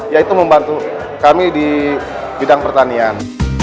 yaitu membantu kami di bidang pertanian